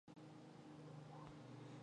英文版本于同一年在欧洲地区发行。